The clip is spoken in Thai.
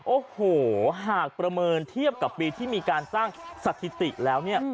โอ้โหหากประเมินเทียบกับปีที่มีการสร้างสถิติแล้วเนี่ย